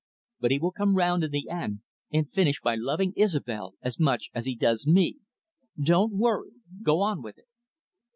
But he will come round in the end, and finish by loving Isobel as much as he does me. Don't worry. Go on with it."